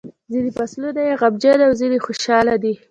ځینې فصلونه یې غمجن او ځینې خوشاله دي.